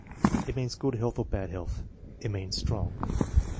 "It means good health or bad health." "It means strong."